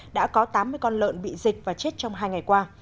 đã có tám mươi con lợn bị dịch và chết trong hai ngày qua